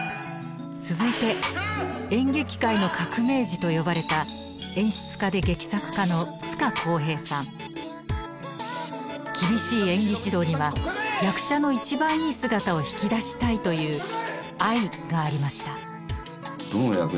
続いて演劇界の革命児と呼ばれた厳しい演技指導には役者の一番いい姿を引き出したいという愛がありました。